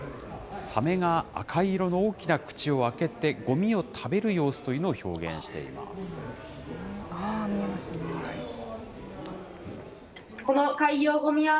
サメが赤い色の大きな口を開けてごみを食べる様子というのを表現見えました、見えました。